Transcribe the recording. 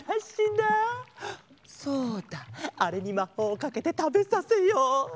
あれにまほうをかけてたべさせよう。